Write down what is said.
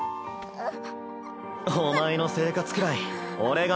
あっ。